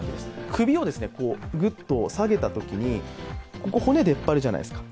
首をぐっと下げたときに骨が出っ張るじゃないですか。